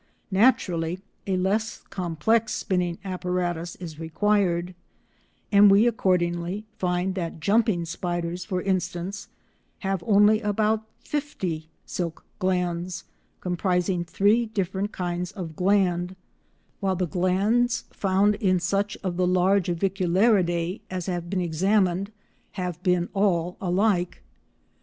Naturally a less complex spinning apparatus is required, and we accordingly find that jumping spiders, for instance, have only about fifty silk glands comprising three different kinds of gland, while the glands found in such of the large Aviculariidae as have been examined have been all alike.